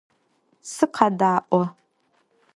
Сыкъэдаӏо.